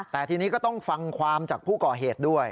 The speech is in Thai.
แต่ทีนี้ก็ต้องฟังความจากผู้ก่อเหตุด้วย